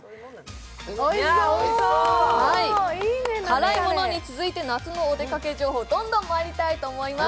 辛いものに続いて、夏のお出かけ情報どんどんまいりたいと思います。